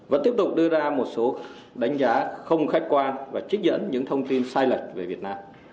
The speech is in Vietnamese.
vẫn tiếp tục đưa ra một số đánh giá không khách quan và trích dẫn những thông tin sai lệch về việt nam